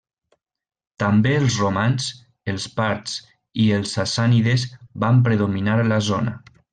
També els romans, els parts i els sassànides van predominar a la zona.